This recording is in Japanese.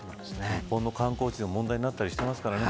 日本の観光地でも問題になったりしていますから。